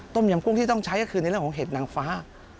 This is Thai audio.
ยำกุ้งที่ต้องใช้ก็คือในเรื่องของเห็ดนางฟ้า